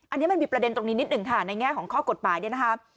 อันนี้มันมีประเด็นตรงนี้นิดหนึ่งค่ะในแง่ของข้อกฎหมายเนี่ยนะคะ